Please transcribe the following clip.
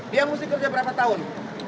dia mesti kerja berapa tahun